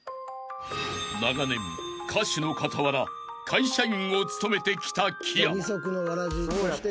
［長年歌手の傍ら会社員を務めてきた木山］